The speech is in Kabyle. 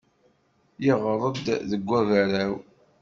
Yeɣreq deg ugaraw.